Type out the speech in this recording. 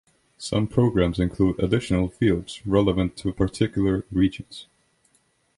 Some programs include additional fields relevant to particular religions.